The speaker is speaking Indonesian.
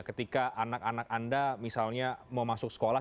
ketika anak anak anda misalnya mau masuk sekolah